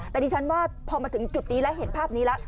แต่ดิฉันว่าพอมาถึงจุดนี้แล้วเห็นภาพนี้แล้ว